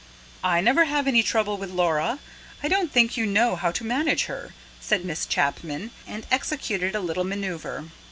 "I never have any trouble with Laura. I don't think you know how to manage her," said Miss Chapman, and executed a little manoeuvre.